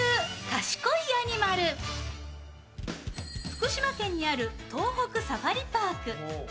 福島県にある東北サファリパーク。